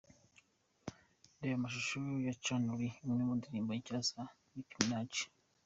Reba amashusho ya Chun-Li, imwe mu ndirimbo nshya za Nick Minaj.